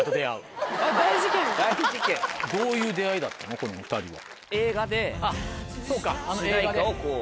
どういう出会いだったの２人は。